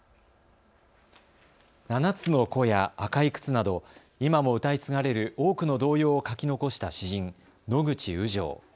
七つの子や赤い靴など今も歌い継がれる多くの童謡を書き残した詩人、野口雨情。